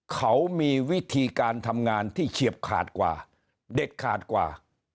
เขามีวิธีการทำงานที่เฉียบขาดกว่าเด็ดขาดกว่า